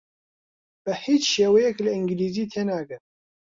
بە هیچ شێوەیەک لە ئینگلیزی تێناگەن.